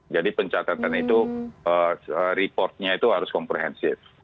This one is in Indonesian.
jadi pencatatan itu reportnya itu harus komprehensif